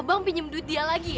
abang pinjem duit dia lagi ya